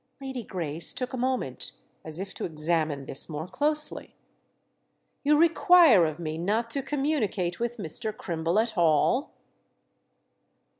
Lady Grace took a moment as if to examine this more closely. "You require of me not to communicate with Mr. Crimble at all?"